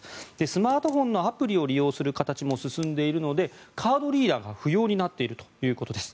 スマートフォンのアプリを利用する形も進んでいるのでカードリーダーが不要になっているということです。